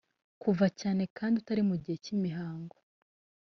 kuva cyane kandi utari mu gihe cy’imihango